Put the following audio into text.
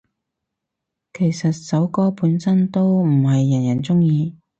其實首歌本身都唔係人人鍾意